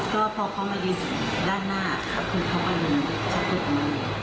ก็พอเข้ามาดินด้านหน้าคือเขาก็หนีชักทุกคน